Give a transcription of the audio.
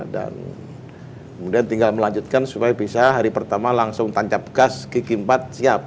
dan kemudian tinggal melanjutkan supaya bisa hari pertama langsung tancap gas gigi empat siap